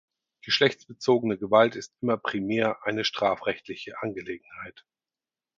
Geschlechtsbezogene Gewalt ist immer primär eine strafrechtliche Angelegenheit.